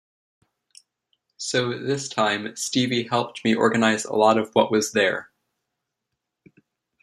So, this time, Stevie helped me organize a lot of what was there.